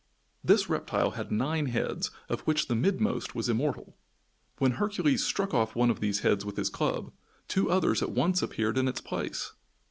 This reptile had nine heads of which the midmost was immortal. When Hercules struck off one of these heads with his club, two others at once appeared in its place.